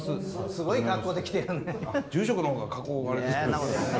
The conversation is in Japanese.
すごい格好で来てるね。